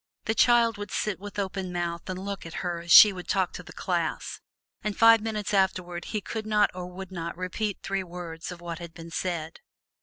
The child would sit with open mouth and look at her as she would talk to the class, and five minutes afterward he could not or would not repeat three words of what had been said.